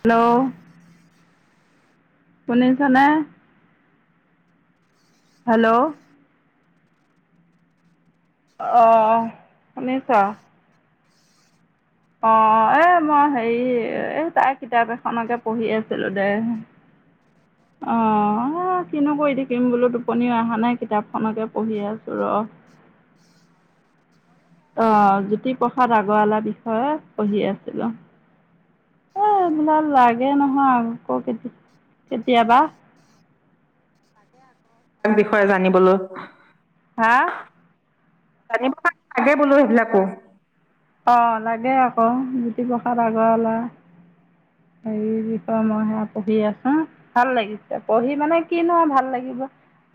Hello শুনিছানে hello অ শুনিছ আহ এ মই হেৰি এ তাই কিতাপ এখনকে পঢ়ি আছিলো দে আহ কিনো কৰি থাকিম বোলো টোপনিও অহা নাই কিতাপখনকে পঢ়ি আছো ৰ অহ জ্যোতিপ্ৰসাদ আগৰৱালাৰ বিষয়ে পঢ়ি আছিলো এই এইবিলাক লাগে নহয় আকৌ কেতি কেতিয়াবা তাৰ বিষয়ে জানিবলৈ হা তাকে লাগে বোলো সেইবিলাকো অ লাগে আকৌ জ্যোতিপ্ৰসাদ আগৰৱালা হে বিষয়ে মই সেয়া পঢ়ি আছো ভাল লাগিছে পঢ়ি মানে কি নহয় ভাল লাগিব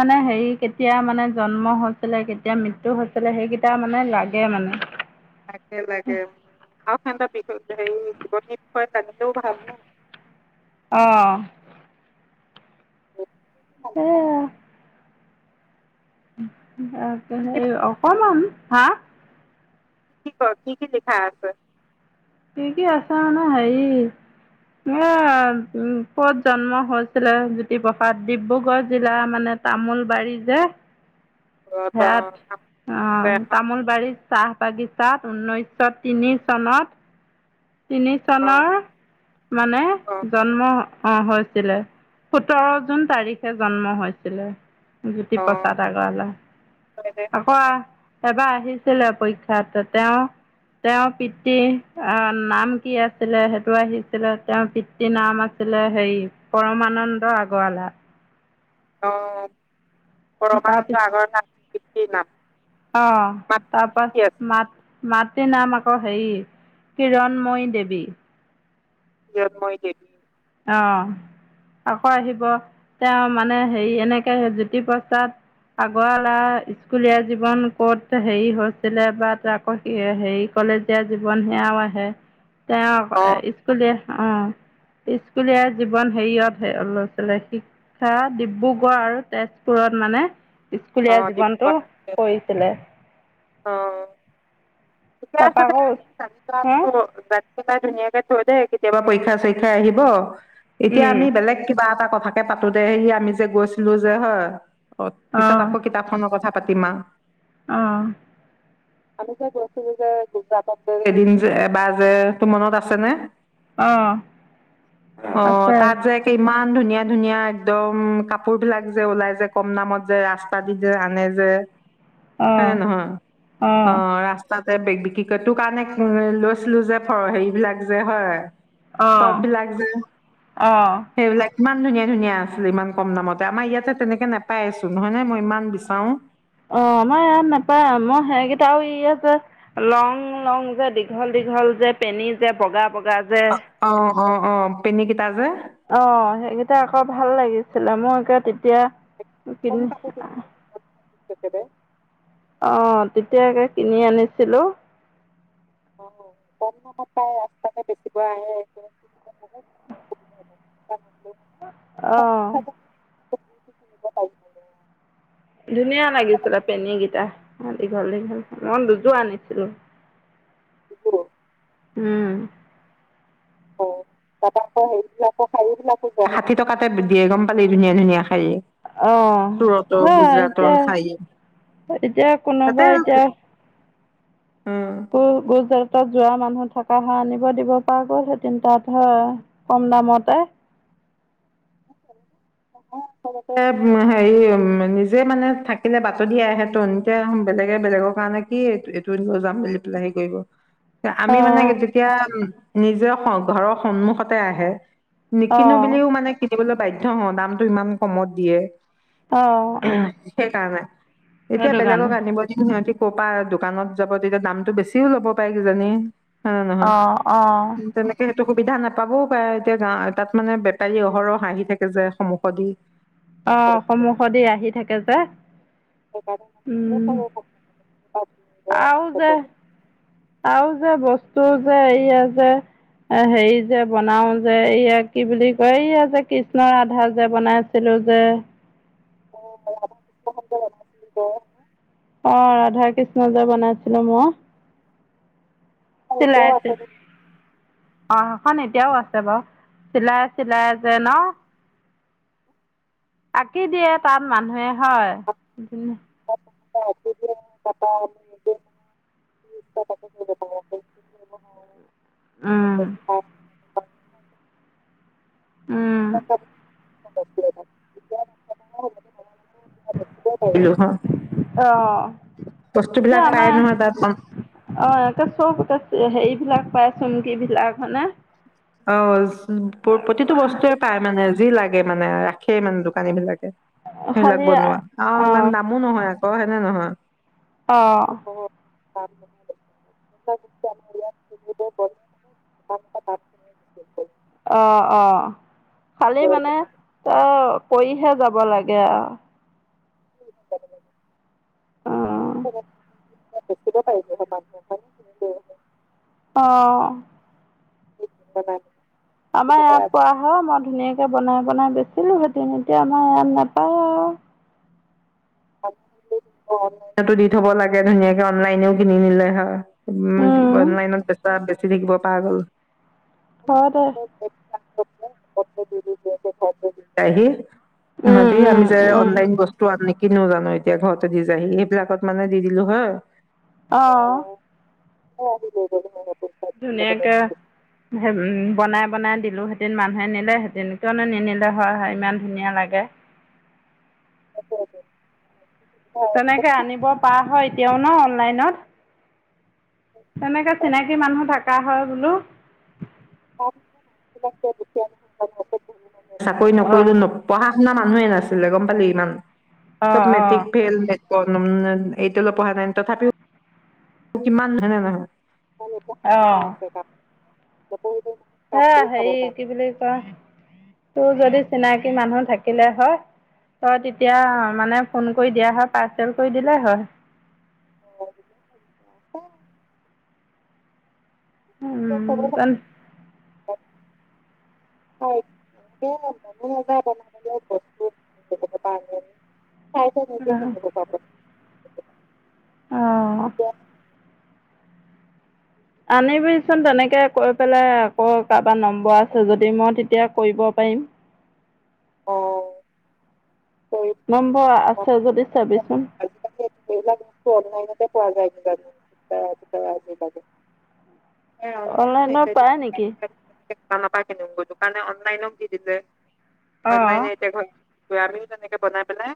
মানে হেৰি কেতিয়া মানে জন্ম হৈছিলে কেতিয়া মৃত্যু হৈছিলে সেইকেইটা মানে লাগে মানে [unintelligible] সেই হয় তাতকৈও ভাল ন অঁ এইয়া ত হে অকমান হাঁ কি ক কি কি লিখা আছে? কি কি আছে মানে হেৰি এ য়া, কত জন্ম হৈছিলে জ্যোতিপ্ৰসাদ ডিব্ৰুগড় জিলা, মানে তামোলবাৰী যে সেয়া ত অহ তামোলবাৰীত চাহ বাগিচাত ঊনৈছশ তিনি চনত তিনি চনৰ মানে জন্ম আহ হৈছিলে সোতৰ জুন তাৰিখে জন্ম হৈছিলে জ্যোতিপ্ৰসাদ আগৰবালা আকৌ এবাৰ আহিছিলে পৰীক্ষাত তেওঁ তেওঁৰ পিতৃ আহ নাম কি আছিলে, সেইটো আহিছিলে তেওঁৰ পিতৃ নাম আছিলে হেৰি পৰমানন্দ আগৰৱালা। অ তাৰপিছ পৰমানন্দ আগৰৱালা [unintelligible] অ তাৰপা মাত মাতৃ নাম আকৌ হেই কিৰণময়ী দেৱী কিৰণময়ী দেৱী অ আকৌ আহিব, তেওঁ মানে হেৰি এনেকে জ্যোতিপ্ৰসাদ আগৰৱালা স্কুলীয়া জীৱন ক'ত হেৰি হৈছিলে বা আকৌ হে কলেজীয়া জীৱন সেয়াও আহে তেওঁ আক এ স্কুলীয়া অ স্কুলীয়া জীৱন হেৰিয়ত হে লৈছিলে শিক্ষা ডিব্ৰুগড় আৰু তেজপুৰত মানে। স্কুলীয়া জীৱনতটো কৰিছিলে। অ ইতিহাসতে তাৰপৰা আকৌ হা গ এতিয়াৰ ধুনীয়াকে থৈ দে কেতিয়াবা পৰীক্ষা চৰিক্ষা আহিব। এতিয়া আমি বেলেগ কিবা এটা কথা। কথাকে পাতোঁতে সে আমি যে গৈছিলোঁ যে হয়। অ পিছত আকৌ কিতাপ খনৰ কথা। পাতিম আউ আহ কালিকে যে। যে গুজৰাটত যে এদিন যে এবাৰ যে তোৰ মনত আছে নে অঁ অ আছে তাত যে কি ইমান ধুনীয়া ধুনীয়া একদম কাপোৰ বিলাক যে ওলাই যে কম দামত যে ৰাস্তা দি যে আনে যে। হয় নে অঁ নহয় অ অঁ ৰাস্ত তে বে বিক্ৰী কৰে তোৰ কাৰণে লৈছিলোঁ যে হেৰি বিলাক যে হয় টপ আহ বিলাক যে অ সেইবিলাক ইমান ধুনীয়া ধুনীয়া আছিলে ইমান কম দামতে আমাৰ ইয়াতে তেনেকে নোপাই চোন নহয় নে মই ইমান বিচাৰোঁ অ আমাৰ ইয়াত নাপা মই সেইকেইটাও ই যে লং লং যে দীঘল দীঘল যে পেনী যে বগা বগা। যে অ অ অ পেনি কেইটা যে অ সেইকেইটা আকৌ ভাল লাগিছিলে মোৰ আকৌ তেতিয়া কি তেখেতে অ তেতিয়াযে কিনি আনিছিলোঁ অ কম দামত পাই ৰাস্তাতে বেছিব আহে যে অহ [inaudible] ধুনিয়া লাগিছিলে পেনী গীতা অ দীঘল দীঘল মই দুযোৱা আনিছিলোঁ [inaudible] উম ৌাক [inaudible] শাৰী বিলাক ষাঠি টকাতে দিয়ে গম পালি ধুনীয়া ধুনীয়া শাড়ী। আহ হা এতিয়া শাৰী এতিয়া তাতে কোনোবা এতিয়া উম অ' বজাৰ হত যোৱা মানুহ থকা সা আনিব দিব পৰা গ'ল। সেই তিন তাত হয়। কম দামতে। আচলতে হেৰি উ নিজে মানে থাকিলে বাতৰি আহে ত এতিয়া বেলেগে বেলেগৰ কাৰণে কি এইটো লৈ যাম বুলিলে পেলাই সি কৰিব আমি অ মানে যেতিয়া উ নিজে ঘৰৰ সন্মুখতে আহে। অ নিকিনো বুলিও মানে। বাধ্য হ ও দ টো ইমান কমত দিয়ে। অ সেইকাৰণে। এতিয়া সেইটো বেলেগক কাৰণে আনিব য সিহঁতি। ক'ৰ পা দোকানত যাব তেতিয়া দামতটো বেছিও ল'ব পাৰে কিজানি। হয় নে নহয় অহ, অহ। তেনেকে সুবিধা নাপাবও কাৰ এতিয়া গা তাত মানে বেপাৰী অহৰহ হাঁহি থাকে যে সম কদি [inaudible] অ' সমুখ দি আহি থাকে যে। উম সেইকাৰণে মানে আৰু যে চ আৰু যে বস্তু যে এইয়া যে হেৰি যে বনাও যে এইয়া কি বুলি কয় এইয়া যে কৃষ্ণৰ আধা যে বনাইছে। বনাইছিলো যে অ' অ' ৰাধা কৃষ্ণ যে বনাইছে। ল'ম। আৰু এতিয়াও অ' এখন এতিয়াও আছে বাৰু চিলাই চিলাই যে ন আঁকি দিয়ে তাত মানুহে। হয়। [unintelligible] [unintelligible] উম [unintelligible] উম তাৰপিছত। অ' এতিয়া বস্তুবিলাক পাই নহয় তাত আমাৰ আহ এ চব। সেইবিলাক পাই চুমকী বিলাকমানে। অ' প্ৰতিটো বস্তুয়ে পায় মানে যি লাগে। লাগে মানে ৰাখেই মানে দোকানী বিলাকে সেইবিলাক খালি বনোৱা অ ইমান দামো নহয় অ অ হেনে নহয় অ তাত ইয়াৰ [unintelligible] আছে অ‌ অ খালি মানে ত কৰিহে যাব লাগে আ লাগে [inaudible] পাই হ মানহ হয় ন অঁ ক বাদ আমাৰ ইয়াত কৰা হয় মই ধুনীয়াক কে বনাই বনাই বেচিলো হেতেন এতিয়া আমাৰ ইয়াত নাপায় আৰু ফনতো দি থব লাগে ধুনীয়াকে অনলাইনেও কিনি নিলে হয় উমন উম বনোৱাই নাই এনে চেষ্টা চি থাকিব পাগ'ল থ দে পদ্ধতি খ দ আহি মই উম যে আমি উম যে উম অনলাইন বস্তু আপলোড কিনো জানো এতিয়া ঘৰতে দি যাইহি সেইবিলাকত মানে দি দিলো হয় অহহ অ হহৈ যাব আজি ধুনীয়াকৈ বনাই বনাই দিলোঁ সেঁতেন মানুহে নিলেহেঁতেন কিয়নো নিনিলে হয় হয় ইমান ধুনীয়া লাগে অ তেনেকে আনিব পৰা হয় কিন ন অনলাইনত? তেনেকে চিনাকী মানুহ থকা হয় বোলো গু ছি আহিলো হয় [unintelligible] চাকৰি অ নকৰিলো ন পঢ়া যোৱা মানুহে নাছিলে গম পালি ইমান অ চব অ মেট্ৰিক ফেল এইটো অলপ পঢ়া টাইম তথাপিও কিমান হয় নে নহয়‌? অহ হয় হেৰি কি বুলি কয় তোৰ যদি চিনাকি মানুহ থাকিলে হয়। তই তেতিয়া মানে। ফোন কৰি দিয়া হয় পাৰ্চেল কৰি দিলেই হয়। অ আহিলে হয়। উম কঢয়। হয় বেলেগৰ পৰা আনি আনি। চাই নিজে নিব পাব। আহ। আনিবিচোন তেনেকে কৈ পেলাই আকৌ কাৰোবাৰ নম্বৰ আছে যদি মই তেতিয়া কৰিব পাৰিম। অহ। নম্বৰ আছে যদি চাৰাবিচোন। অনলাইনতে পোৱা যায়ে অনলাইনৰ পাই। দোকান পাই কিনি দোকানে অনলাইন নত দি দিলে। অ অনলাইনট এতিয়া হ'ল। কাৰনেকে বনাই পেলাই।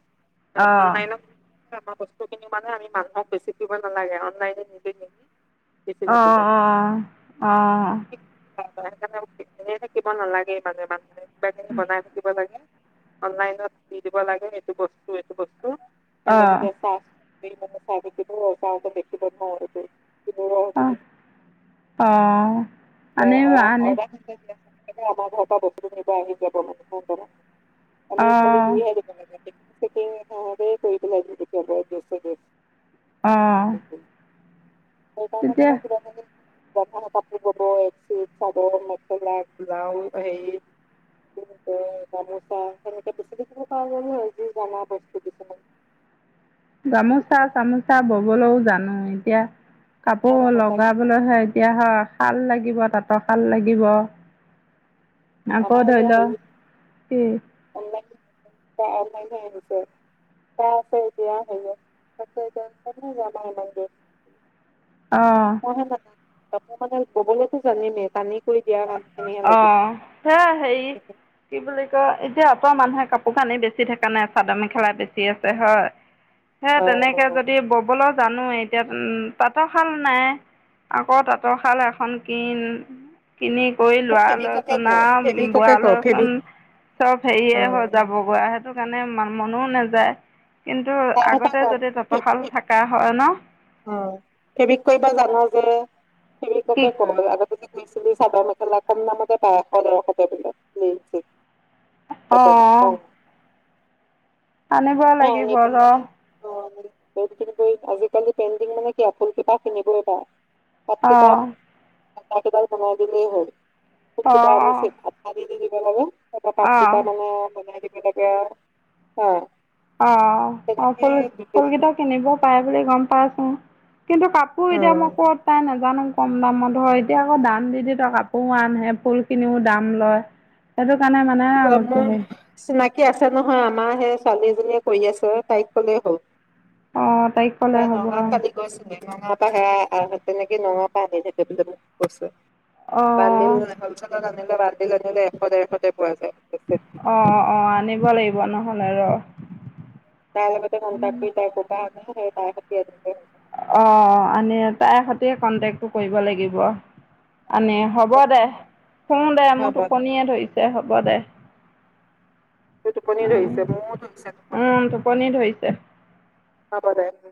অ অনলাইন। ইয়াৰ পৰা বস্তুখিনি। মানে আমি মানুহক বেছি কৰিব নালাগে অনলাইনে নিদি নিমি। অঁ অঁ অঁ। সেইকাৰে এনে থাকিব নালাগে মানে মানুহে। বনাই থাকিব লাগে অনলাইনত দি দিব লাগে এইটো বস্তু এইটো বস্তু। অ তেনেকেকে চাই। ম চাগো চা দেখিবন ন। আহ আহ। অ অ দিয়। আমাৰ ঘৰ পৰা বস্ত নিবা আহি যাব মানে। অ আমি খালি‌ দি আহো তেনেকে। ক আহঁ। সেইকাৰ মানে। য কাপ। এক চাদৰ মেখেলা গা হেৰি গামোচা সেনেকে বেছিকিব প যায় ন যি জা বস্তু কিছুমান। গামোচা চামোচা ববলৈও জানো এতিয়া। কাপোৰ লগাবলৈ হে এতিয়া শাল লাগি লাগিব তাঁতশাল লাগিব আকৌ ধৰি লও কি তাৰ মানে নিছে ক আতি আহতি ন ন যমাই ল [unintelligible] অ কথা মানে কথা কবলৈতো জানিমে মেকানিক অ সে হেৰি কি বুলি কয় এতিয়াতৰ মানুহে কাপোৰ কানি বেছি থকা নাই চাদৰ মেখেলা বেছি আছে হয় হে তেনেকে যদি ববলৈ জানো এতিয়া তাঁতৰ শাল নাই আকৌ তাঁতৰশাল এখন কিন কিনি কৰি ল'ৰা লৰাচোন আৰু বোৱালৈ চোন চব হেৰিয়ে হৈ যাবগে সেটো কাৰণে মনও নাযায় কিন্তু কাম এটা আগতে যদি কৰক তাঁতৰশাল থকা হয় ন অ ফ্ৰেবিক কৰিব জাব যে ঠিক আছে কি কেইদিনমানৰ আগত যদি মিস্ক মেখেলা চাদৰ খনতে বাৰ শ তেৰ শ কৈ দিলে অ আনিব লাগিব ৰ আজিকালি পেইণ্টিং মানে কিতাপ কিনিবলৈ পায় তাপ কিতাত [inaudible] তাকে তাৰ বনাই দিলে হ'ল অঁ স [inaudible] দি দিব লাগে এটা পাত অঁ কিটা অঁ মানে বনাই একে তাকে অ অ অ ফুল ফুলকেইটা কিনিবও পাৰে বুলি গম পাইচোন কিন্তু কাপোৰ এতিয়া উম। মই ক'ত পাম জানো কম দামত হয় এতিয়া আকৌ দাম দি দি ত কাপোৰও আন ফুল খিনিও দাম লয় কাৰণে মানে ক মোৰ হে চিনাকি আছে নহয় আমাৰ সেই ছোৱালী কৰি আছে তাইক কলেই হ'ল অ তাইক কলে হ'ব আৰু তাকে হে আ তেনেকে নগাঁও পৰা বহুত নতুন নতুন কাপোৰ লৈছে বানন্ধিল অ', হ'ল চেলত আনে [inaudible] বাৰিল দে [unintelligible] পোৱা যায় হেনেকে তাই লগতে কন্তেক কৰিবা কবা আকৌ ন হ ত হত আে [inaudible] অ আনে তাইৰ সৈতে কন্টেকটো কৰিব লাগিব আনে হ'ব দে শুওঁ দে মোৰ টোপনিয়ে ধৰিছে হ হব দে টোপনি ধৰিছে ম ধৰিছে টোপনি উম, টোপনি ধৰিছে। হব দেই